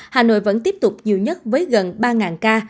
hà nội vẫn tiếp tục nhiều nhất với gần ba ca